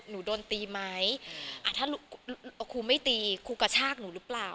หนูโดนตีไหมถ้าครูไม่ตีครูกระชากหนูหรือเปล่า